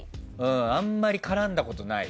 あまり絡んだことない。